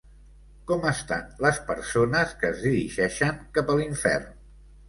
Com estan les persones que es dirigeixen cap a l'infern?